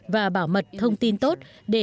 và bảo mật thông tin tốt